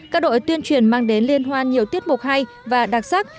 các đội tuyên truyền mang đến liên hoan nhiều tiết mục hay và đặc sắc